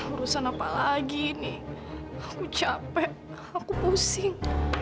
urusan apa lagi nih aku capek aku pusing